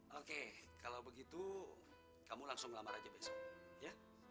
oke kalau begitu kamu langsung ngelamar aja besok ya